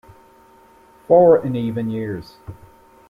Four in even years.